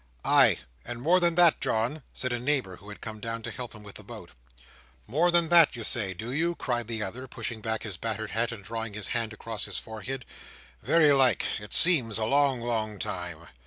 "Ay! and more than that, John," said a neighbour, who had come down to help him with the boat. "More than that, you say, do you?" cried the other, pushing back his battered hat, and drawing his hand across his forehead. "Very like. It seems a long, long time."